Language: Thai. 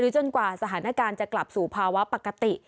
จนกว่าสถานการณ์จะกลับสู่ภาวะปกติ